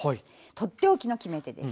とっておきの決め手です。